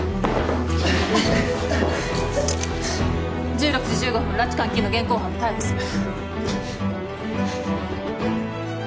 １６時１５分拉致監禁の現行犯で逮捕する。